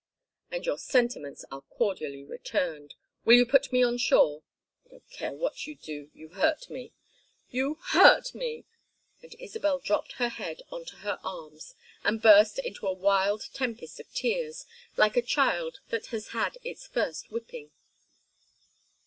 "And your sentiments are cordially returned. Will you put me on shore?" "I don't care what you do. You hurt me! You hurt me!" And Isabel dropped her head into her arms and burst into a wild tempest of tears, like a child that has had its first whipping.